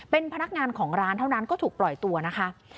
เป็นพนักงานของร้านเท่านั้นก็ถูกปล่อยตัวนะคะ